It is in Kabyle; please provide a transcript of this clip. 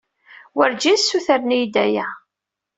Werjin ssutren-iyi-d aya.